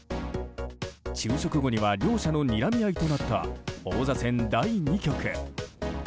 昼食後には両者のにらみ合いとなった王座戦第２局。